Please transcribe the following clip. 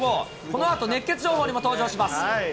このあと、熱ケツ情報にも登場します。